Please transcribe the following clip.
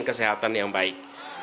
kesehatan yang baik